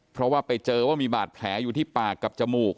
เพราะว่าไปเจอว่ามีบาดแผลอยู่ที่ปากกับจมูก